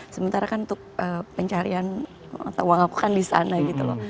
sementara kan untuk pencarian uang aku kan disana gitu loh